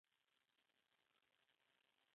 ميرويس خان له تورو چايو ډکه پياله ور واخيسته.